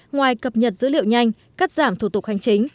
ngoài cập nhật dữ liệu nhanh cắt giảm thủ tục hành chính